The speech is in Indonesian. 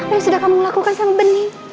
apa yang sudah kamu lakukan sama bening